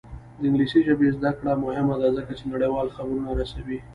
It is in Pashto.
د انګلیسي ژبې زده کړه مهمه ده ځکه چې نړیوال خبرونه رسوي.